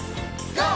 ＧＯ！